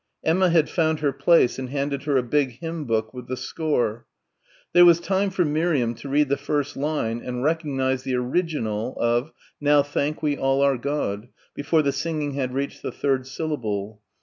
Emma had found her place and handed her a big hymn book with the score. There was time for Miriam to read the first line and recognise the original of "Now thank we all our God" before the singing had reached the third syllable.